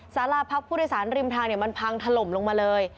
สาราพักผู้โดยสารริมทางมันพังถล่มลงมาเลย